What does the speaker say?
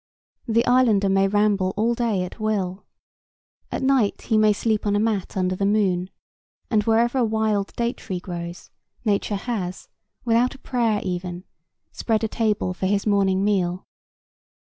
The islander may ramble all day at will. At night he may sleep on a mat under the moon, and wherever a wild date tree grows, nature has, without a prayer even, spread a table for his morning meal.